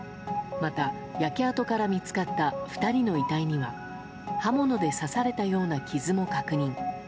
また焼け跡から見つかった２人の遺体には刃物で刺されたような傷も確認。